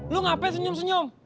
lu ngapain senyum senyum